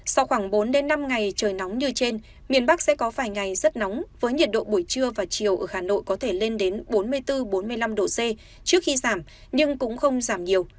sau khoảng bốn đến năm ngày trời nóng như trên miền bắc sẽ có vài ngày rất nóng với nhiệt độ buổi trưa và chiều ở hà nội có thể lên đến bốn mươi bốn bốn mươi năm độ c trước khi giảm nhưng cũng không giảm nhiều